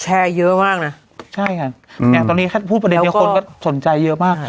แชร์เยอะมากนะใช่ค่ะอย่างตอนนี้ถ้าพูดประเด็นนี้คนก็สนใจเยอะมากอ่ะ